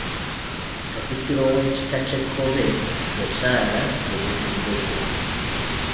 Katikkiro w’ekika ky’ekkobe yakyala gye buvuddeko?